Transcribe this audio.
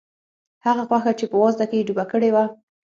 هغه غوښه چې په وازده کې یې ډوبه کړې وه.